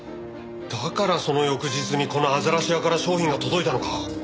だからその翌日にこのあざらし屋から商品が届いたのか。